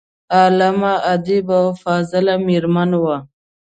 عالمه، ادیبه او فاضله میرمن وه.